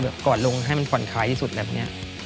แบบกอดลงให้มันขวัญคล้ายที่สุดแบบนี้